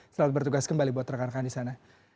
selamat bertugas kembali buat rekan rekan di sana